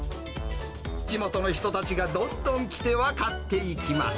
地元の人たちがどんどん来ては買っていきます。